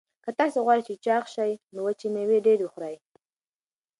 که تاسي غواړئ چې چاغ شئ نو وچې مېوې ډېرې خورئ.